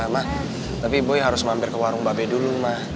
ma tapi boy harus mampir ke warung mbak be dulu ma